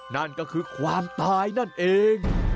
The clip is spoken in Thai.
นั่นก็คือความตายนั่นเอง